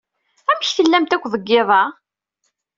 Amek tellamt akk deg yiḍ-a?